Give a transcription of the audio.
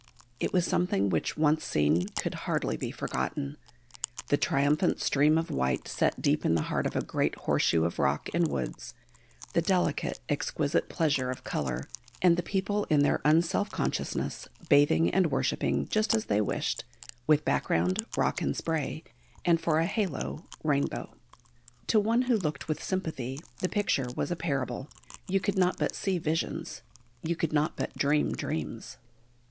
It was something which, once seen, could hardly be forgotten. The triumphant stream of white set deep in the heart of a great horseshoe of rock and woods; the delicate, exquisite pleasure of colour; and the people in their un self consciousness, bathing and worshipping just as they wished, with for background rock and spray, and for a halo rainbow. To one who looked with sympathy the picture was a parable. You could not but see visions: you could not but dream dreams.